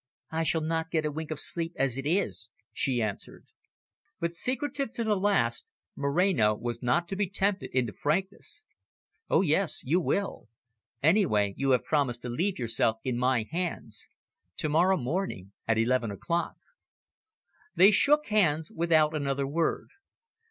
"I shall not get a wink of sleep as it is," she answered. But, secretive to the last, Moreno was not to be tempted into frankness. "Oh, yes, you will. Anyway, you have promised to leave yourself in my hands. To morrow morning, at eleven o'clock." They shook hands without another word.